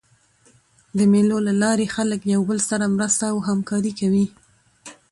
د مېلو له لاري خلک له یو بل سره مرسته او همکاري کوي.